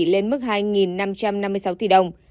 lên mức hai năm trăm năm mươi sáu tỷ đồng